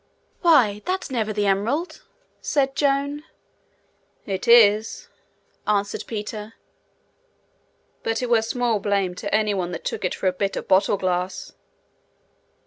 'Why, that's never the emerald!' said Joan. 'It is,' answered Peter; 'but it were small blame to any one that took it for a bit of bottle glass!'